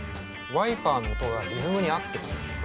ワイパーの音がリズムに合ってると思って。